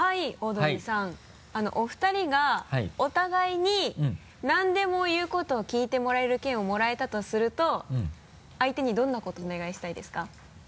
お二人がお互いに何でも言うことを聞いてもらえる券をもらえたとすると相手にどんなことをお願いしたいですか？